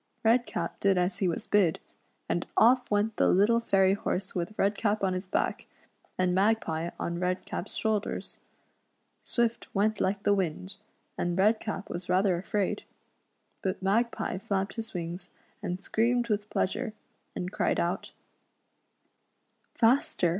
Redcap did as he was bid, and oft" went the little REDC^T'S ADV/ :\TL'KES LV FAIRYLAXD. 95 fairy horse with Redcap on liis back, aiul Ma^j^pic on Redcap's shoulders. Swift went like the wind, and Redcap was rather afraid, but Magpie flapped his wings, and screamed with pleasure, and cried out :" Faster